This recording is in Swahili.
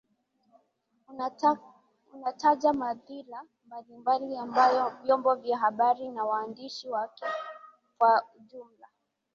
unataja madhila mbalimbali ambayo vyombo vya habari na waandishi wake kwa ujumla